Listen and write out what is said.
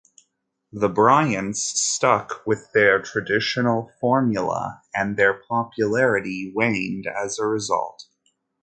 The Bryants stuck with their traditional formula and their popularity waned as a result.